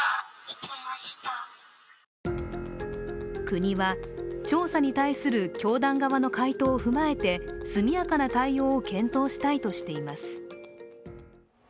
国は調査に対する教団側の回答を踏まえて速やかな対応を検討したいとしています。